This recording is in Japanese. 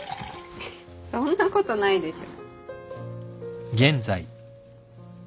そんなことないでしょ